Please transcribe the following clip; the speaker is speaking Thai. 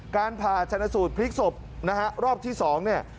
การผ่าอาชาณสูตรพลิกศพนะครับรอบที่๒นี่